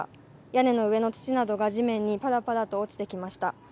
屋根の上の土などが地面にぱらぱらと落ちてきました。